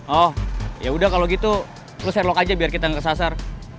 oh ya udah kalau gitu lo share log aja biar kita gak kesasar